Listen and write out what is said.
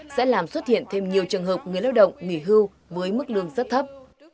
sẽ làm xuất hiện thêm nhiều trường hợp người lao động nghỉ hưu với mức lương rất thấp